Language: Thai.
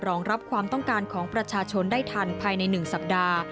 รองรับความต้องการของประชาชนได้ทันภายใน๑สัปดาห์